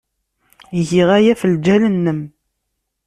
Giɣ aya ɣef lǧal-nnem.